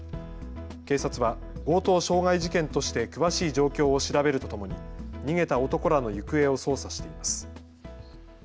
警察は強盗傷害事件として詳しい状況を調べるとともに逃げた男らの行方を捜査しています。